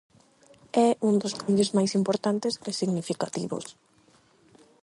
É un dos cambios máis importantes e significativos.